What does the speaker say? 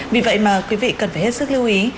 vì vậy mà quý vị cần phải hết sức lưu ý